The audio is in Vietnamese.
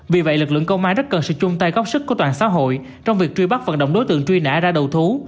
vì vậy lực lượng công an rất cần sự chung tay góp sức của toàn xã hội trong việc truy bắt vận động đối tượng truy nã ra đầu thú